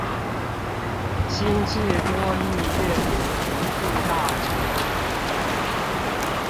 新制多益閱讀題庫大全